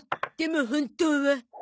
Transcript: でも本当は。